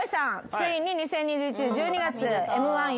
ついに２０２１年１２月Ｍ−１優勝。